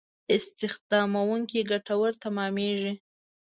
استخداموونکو ګټور تمامېږي.